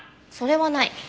それはない。